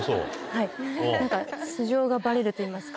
はい素性がバレるといいますか。